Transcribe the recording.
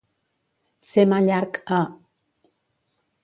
Ser mà-llarg, -a.